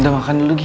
udah makan lo gi